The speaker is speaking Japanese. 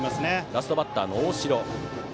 ラストバッター、大城。